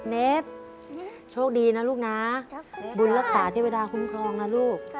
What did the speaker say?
เนฟโชคดีนะลูกนะบุญรักษาเทวดาคุ้มครองนะลูก